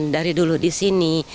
dari dulu di sini